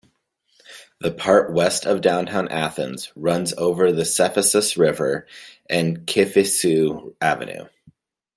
The part west of downtown Athens runs over the Cephisus river and Kifissou Avenue.